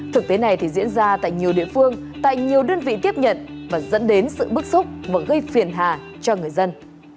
thực tế này thì diễn ra tại nhiều địa phương tại nhiều đơn vị tiếp nhận và dẫn đến sự bức xúc và gây phiền hà cho người dân